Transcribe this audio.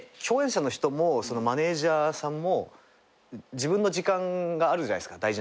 共演者の人もマネジャーさんも自分の時間があるじゃないっすか。